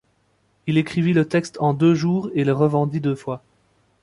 Il écrivit le texte en deux jours et le revendit deux fois.